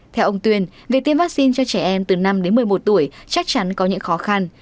theo ông tuyên việc tiêm vaccine cho trẻ em từ năm đến một mươi một tuổi chắc chắn có những khó khăn